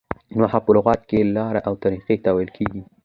نحوه په لغت کښي لاري او طریقې ته ویل کیږي.